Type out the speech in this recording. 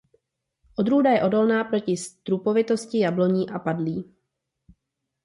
Odrůda je odolná proti strupovitosti jabloní a padlí.